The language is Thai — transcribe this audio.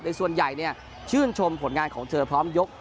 ส่วนใหญ่ชื่นชมผลงานของเธอพร้อมยก